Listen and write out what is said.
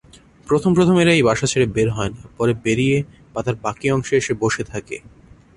প্রথম প্রথম এরা এই বাসা ছেড়ে বের হয়না, পরে বেড়িয়ে পাতার বাকী অংশে এসে বসে থাকে।